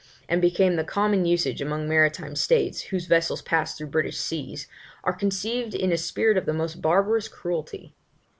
and became the common usage among maritime states, whose vessels passed through British seas, are conceived in a spirit of the most barbarous cruelty.